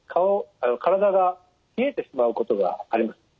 体が冷えてしまうことがあります。